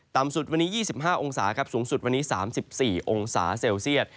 ต่ำสุดวันธุ์วันนี้๒๕องศาสูงสุดวันธุ์วันนี้๓๔องศาเซลเซียต